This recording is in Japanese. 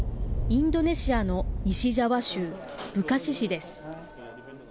インドネシアの西ジャワ州ブカシ市です。